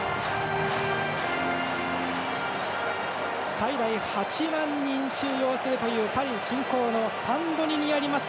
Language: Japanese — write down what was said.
最大８万人収容するというパリ近郊のサンドニにあります